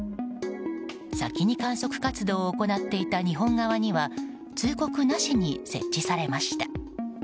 先に観測活動を行っていた日本側には通告なしに設置されました。